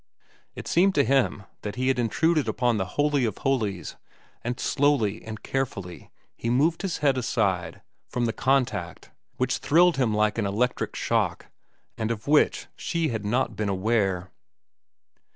It seemed to him that he had intruded upon the holy of holies, and slowly and carefully he moved his head aside from the contact which thrilled him like an electric shock and of which she had not been aware.